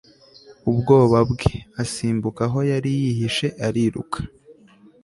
ubwoba bwe, asimbuka aho yari yihishe ariruka